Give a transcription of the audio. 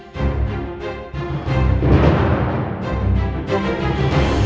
tante kamu bisa bersih